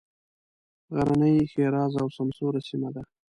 غرنۍ ښېرازه او سمسوره سیمه ده.